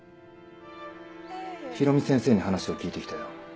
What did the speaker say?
ひろみ先生に話を聞いてきたよ。